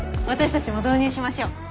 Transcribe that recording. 私たちも導入しましょう。